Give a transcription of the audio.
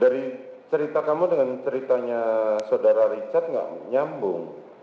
dari cerita kamu dengan ceritanya saudara richard nggak nyambung